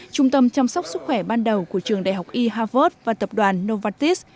trung tâm chăm sóc sức khỏe ban đầu của trường đại học y harvard và tập đoàn novartis